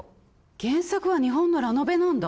原作は日本のラノベなんだ。